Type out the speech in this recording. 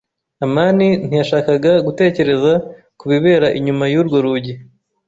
amani ntiyashakaga gutekereza ku bibera inyuma y'urwo rugi.